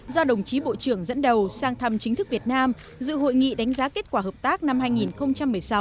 do đồng chí bộ trưởng dẫn đầu sang thăm chính thức việt nam dự hội nghị đánh giá kết quả hợp tác năm hai nghìn một mươi sáu